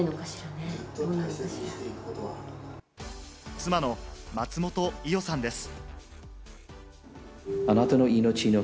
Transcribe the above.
妻の松本伊代さんです。